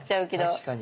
確かに。